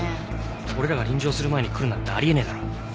俺らが臨場する前に来るなんてあり得ねえだろ。